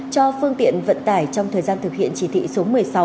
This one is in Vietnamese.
cho phương tiện vận tải trong thời gian thực hiện chỉ thị số một mươi sáu